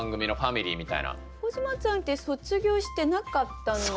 小島ちゃんって卒業してなかったんだっけ？